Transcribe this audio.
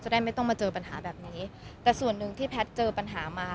ได้ไม่ต้องมาเจอปัญหาแบบนี้แต่ส่วนหนึ่งที่แพทย์เจอปัญหามา